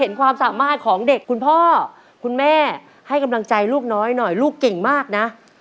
ความสามารถของเด็กคุณพ่อคุณแม่ให้กำลังใจลูกน้อยหน่อยลูกเก่งมากนะ